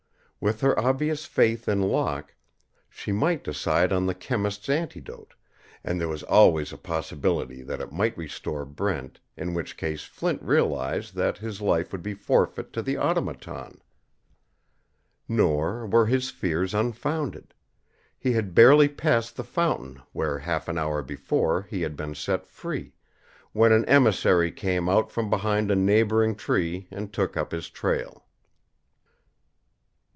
With her obvious faith in Locke, she might decide on the chemist's antidote, and there was always a possibility that it might restore Brent, in which case Flint realized that his life would be forfeit to the Automaton. Nor were his fears unfounded. He had barely passed the fountain where, half an hour before, he had been set free, when an emissary came out from behind a neighboring tree and took up his trail.